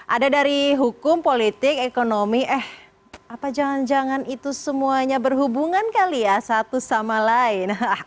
ada dari hukum politik ekonomi eh apa jangan jangan itu semuanya berhubungan kali ya satu sama lain